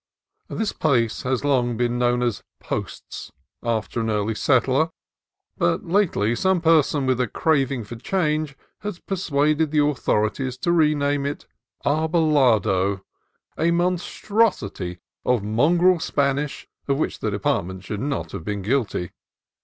This place has long been known as " Post's," after an early settler, but lately some person with a craving for change has persuaded the authorities to rename it "Arbolado," a mon strosity of mongrel Spanish of which the depart ment should not have been guilty.